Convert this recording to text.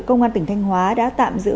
công an tỉnh thanh hóa đã tạm giữ